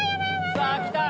さぁ来た。